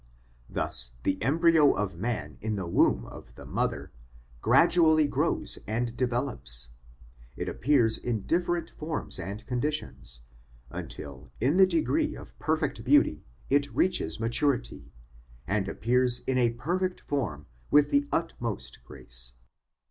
Thus the embryo of man in the womb of the mother gradu ally grows and develops, and appears in different forms and conditions, until in the degree of perfect beauty it reaches maturity, and appears in a perfect form with the utmost grace.